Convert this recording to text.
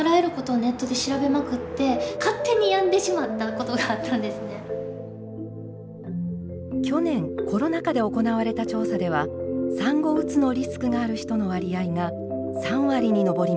本当に私去年コロナ禍で行われた調査では産後うつのリスクがある人の割合が３割に上りました。